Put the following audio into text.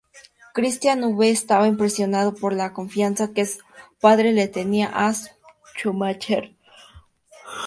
Cristián V estaba impresionado por la confianza que su padre le tenía a Schumacher.